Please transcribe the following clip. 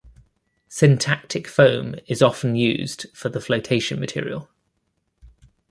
Syntactic foam is often used for the flotation material.